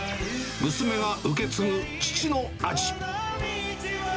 娘が受け継ぐ父の味。